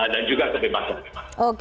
dan juga kebebasan